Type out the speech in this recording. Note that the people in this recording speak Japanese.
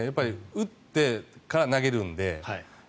打ってから投げるので。